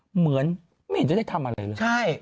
เหมือนไม่เห็นจะได้ทำอะไรเลย